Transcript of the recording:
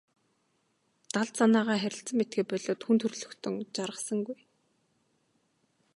Далд санаагаа харилцан мэдэхээ болиод хүн төрөлхтөн жаргасангүй.